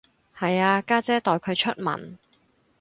係啊，家姐代佢出文